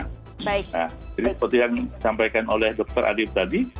nah jadi seperti yang disampaikan oleh dr adib tadi